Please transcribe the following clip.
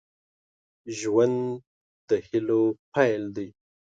ژوند د هيلو پيل دی.